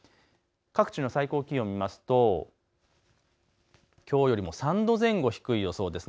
各地の最高気温を見ますときょうよりも３度前後低い予想です。